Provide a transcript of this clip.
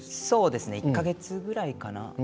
１か月くらいかな？